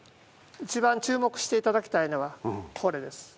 一番注目していただきたいのはこれです。